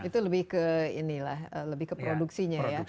itu lebih ke ini lah lebih ke produksinya ya